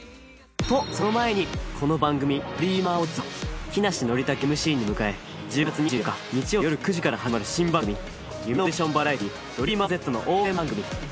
とその前にこの番組『Ｄｒｅａｍｅｒ乙』は木梨憲武をＭＣに迎え１０月２４日日曜よる９時から始まる新番組『夢のオーディションバラエティーＤｒｅａｍｅｒＺ』の応援番組。